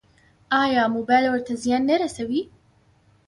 ایا موبایل ورته زیان نه رسوي؟